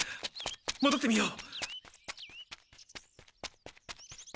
もどってみよう。